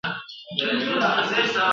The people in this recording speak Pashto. زړه می هر گړی ستا سترگي راته ستایی !.